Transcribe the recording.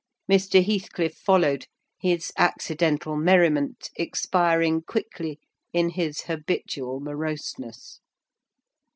Mr. Heathcliff followed, his accidental merriment expiring quickly in his habitual moroseness.